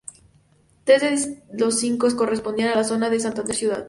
Tres de los cinco correspondían a la zona de Santander ciudad.